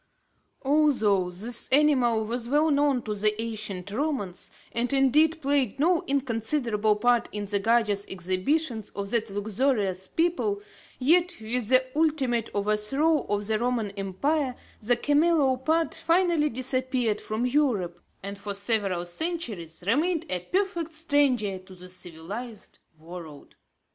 Although this animal was well known to the ancient Romans, and indeed, played no inconsiderable part in the gorgeous exhibitions of that luxurious people, yet, with the ultimate overthrow of the Roman Empire, the camelopard finally disappeared from Europe, and for several centuries remained a perfect stranger to the civilised world.